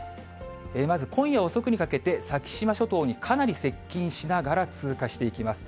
まず今夜遅くにかけて、先島諸島にかなり接近しながら通過していきます。